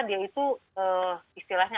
dia itu istilahnya